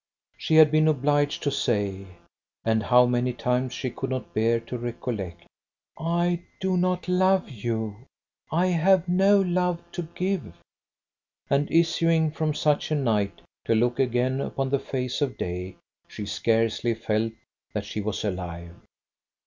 She had been obliged to say and how many times she could not bear to recollect: "I do not love you; I have no love to give"; and issuing from such a night to look again upon the face of day, she scarcely felt that she was alive.